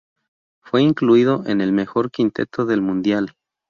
Fue incluido en el mejor quinteto del mundial.